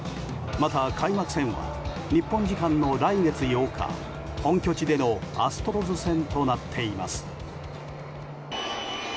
また開幕戦は日本時間の来月８日本拠地でのアストロズ戦となっています。